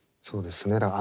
そうですね。